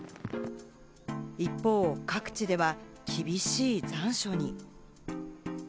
一方、各地では厳しい残暑に。